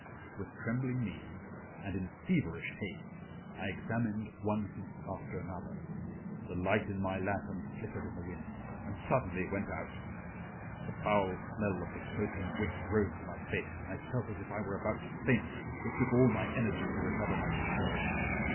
With trembling knees and in feverish haste I examined one heap after another. The light in my lantern flickered in the wind and suddenly went out. The foul smell of the smoking wick rose to my face and I felt as if I were about to faint, it took all my energy to recover my control.